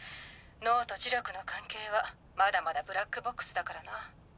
脳と呪力の関係はまだまだブラックボックスだからな。